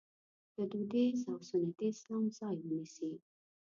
د دودیز او سنتي اسلام ځای ونیسي.